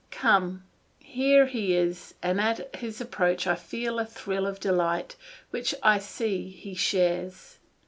Come! Here he is and at his approach I feel a thrill of delight which I see he shares.